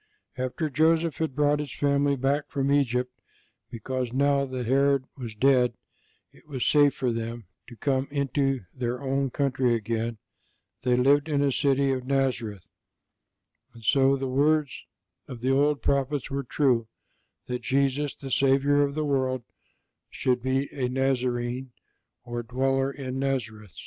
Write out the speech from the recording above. After Joseph had brought his family back from Egypt because, now that Herod was dead, it was safe for them to come into their own country again, they lived in the city of Nazareth, and so the words of the old prophets were true, that Jesus, the Savior of the World, should be a Nazarene, or dweller in Nazareth.